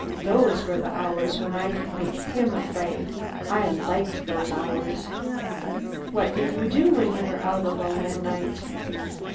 Those were the hours when I could make him afraid I liked those hours " "What did you do when you were out alone at night?"